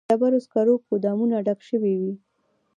د ډبرو سکرو ګودامونه ډک شوي وي